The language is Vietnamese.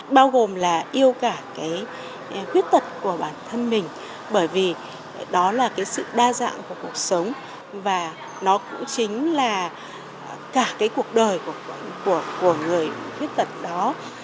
bao gồm là yêu cả cái khuyết tật của bản thân mình bởi vì đó là cái sự đa dạng của cuộc sống và nó cũng chính là cả cái cuộc đời của người khuyết tật đó